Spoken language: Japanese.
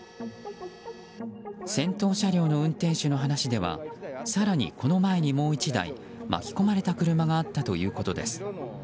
先頭車両の運転手の話では更にこの前にもう１台、巻き込まれた車があったということです。